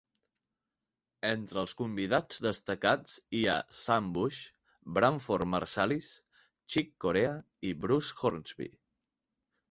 Entre els convidats destacats hi ha Sam Bush, Branford Marsalis, Chick Corea i Bruce Hornsby.